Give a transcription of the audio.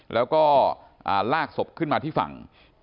แล้วก็ลากศพขึ้นมาที่ฝั่ง